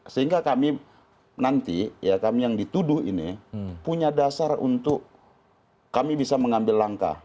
sehingga kami nanti ya kami yang dituduh ini punya dasar untuk kami bisa mengambil langkah